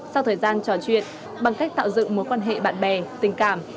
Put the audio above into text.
sau thời gian trò chuyện bằng cách tạo dựng mối quan hệ bạn bè tình cảm